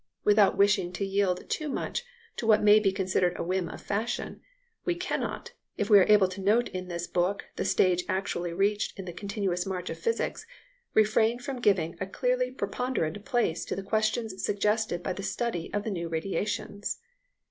Without wishing to yield too much to what may be considered a whim of fashion, we cannot, if we are to note in this book the stage actually reached in the continuous march of physics, refrain from giving a clearly preponderant place to the questions suggested by the study of the new radiations.